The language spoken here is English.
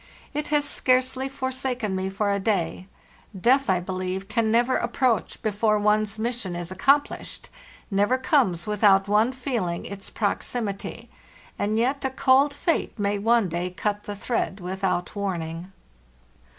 It has scarcely forsaken me for a day. Death, [ beheve, can never approach before one's mission 1s accomplished—never comes without one feeling its prox imity; and yet a cold fate may one day cut the thread without warning.